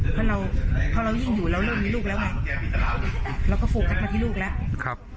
เพราะเราพอเรายิ่งอยู่เราเริ่มมีลูกแล้วไงเราก็โฟกัสมาที่ลูกแล้ว